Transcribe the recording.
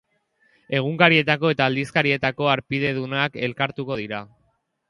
Egunkarietako eta aldizkarietako harpidedunak elkartuko dira.